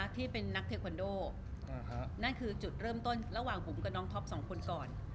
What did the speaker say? ที่เป็นนักเทควันโดนั่นคือจุดเริ่มต้นระหว่างบุ๋มกับน้องท็อปสองคนก่อน